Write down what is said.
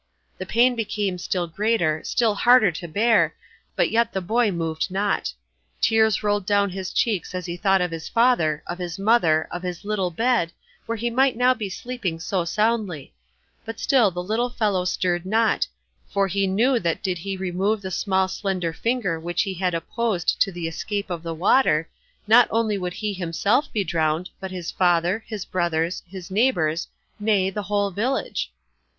The pain became still greater, still harder to bear, but yet the boy moved not. Tears rolled down his cheeks as he thought of his father, of his mother, of his little bed, where he might now be sleeping so soundly; but still the little fellow stirred not, for he knew that did he remove the small slender finger which he had opposed to the escape of the water, not only would he himself be drowned, but his father, his brothers, his neighbours nay, the whole village.